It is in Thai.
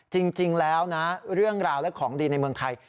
จริงแล้วนะเรื่องราวและของดีในเมืองไทย